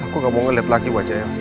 aku gak mau ngeliat lagi wajahnya sama aku